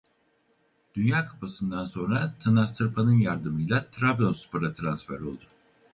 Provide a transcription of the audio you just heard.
Dünya Kupası'ndan sonra Tınaz Tırpan'ın yardımıyla Trabzonspor'a transfer oldu.